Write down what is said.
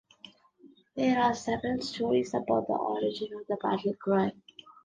There are several stories about the origin of the battle cry.